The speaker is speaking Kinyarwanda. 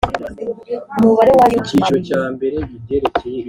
umubare w ayo mabuye